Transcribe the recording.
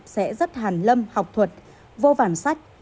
sẽ rất hàn lâm học thuật vô vàn sách